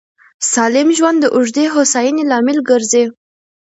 سالم ژوند د اوږدې هوساینې لامل ګرځي.